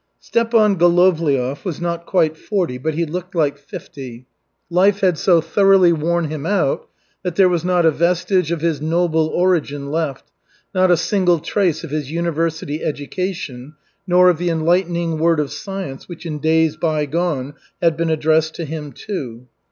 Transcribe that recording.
Stepan Golovliov was not quite forty, but he looked like fifty. Life had so thoroughly worn him out that there was not a vestige of his noble origin left, not a single trace of his university education nor of the enlightening word of science which in days bygone had been addressed to him, too.